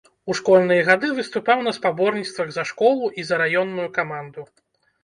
У школьныя гады выступаў на спаборніцтвах за школу і за раённую каманду.